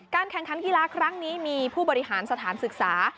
แข่งขันกีฬาครั้งนี้มีผู้บริหารสถานศึกษา